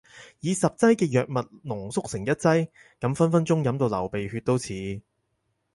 以十劑嘅藥物濃縮成一劑？咁分分鐘飲到流鼻血都似